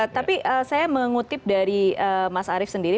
tapi saya mengutip dari mas arief sendiri